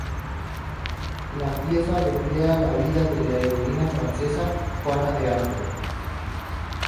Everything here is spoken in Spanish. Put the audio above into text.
La pieza recrea la vida de la heroína francesa Juana de Arco.